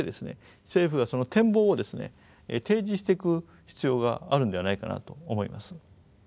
政府がその展望を提示していく必要があるんではないかなと思います。